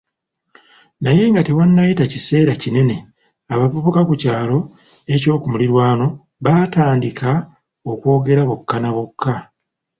Naye nga tewannayita kiseera kinene, abavubuka ku kyalo eky'okumulirano baatandika okwogera bokka na bokka